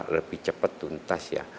lebih cepat tuntas ya